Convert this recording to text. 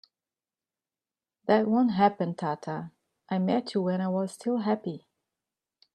That won't happen Tata, I met you when I was still happy!